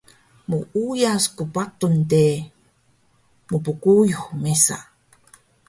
Muuyas qpatun de mpquyux mesa